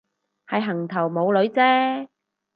係行頭冇女啫